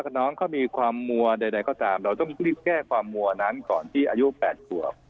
ถ้าน้องเขามีความมัวใดก็ตามเราต้องรีบแก้ความมัวนั้นก่อนที่อายุ๘ขวบ